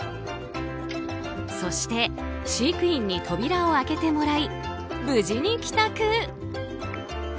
そして飼育員に扉を開けてもらい無事に帰宅。